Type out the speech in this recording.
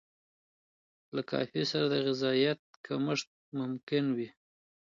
له کافي سره د غذایت کمښت ممکن وي.